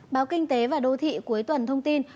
báo kinh tế và đô thị cuối tuần thông tin